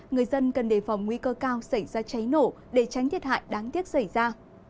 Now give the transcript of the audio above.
người dân cần đề phòng nguy cơ cao xảy ra cháy nổ để tránh thiệt hại đáng tiếc xảy ra